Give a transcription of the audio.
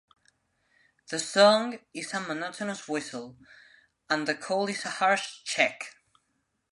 The song is a monotonous whistle, and the call is a harsh "check".